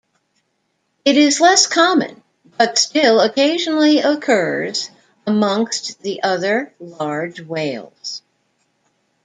It is less common, but still occasionally occurs, amongst the other large whales.